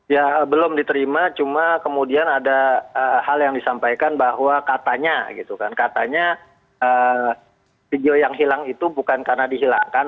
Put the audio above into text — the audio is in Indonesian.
ya belum diterima cuma kemudian ada hal yang disampaikan bahwa katanya gitu kan katanya video yang hilang itu bukan karena dihilangkan